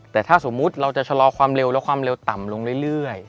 แต่ถ้าสมมุติเราจะชะลอความเร็วแล้วความเร็วต่ำลงเรื่อย